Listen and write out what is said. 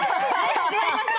始まりました。